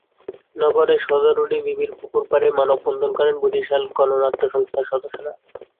নগরের সদর রোডে বিবির পুকুর পাড়ে মানববন্ধন করেন বরিশাল গণনাট্য সংস্থার সদস্যরা।